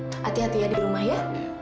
hati hati ya di rumah ya